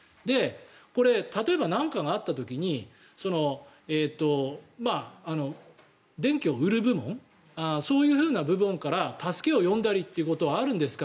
これ、例えば何かがあった時に電気を売る部門そういう部門から助けを呼んだりということはあるんですか？